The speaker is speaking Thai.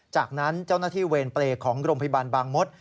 จากนั้นเจ้าหน้าที่เวรเปรย์ของโรงพยาบาลบางมศ